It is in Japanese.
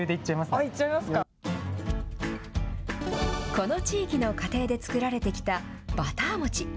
この地域の家庭で作られてきたバター餅。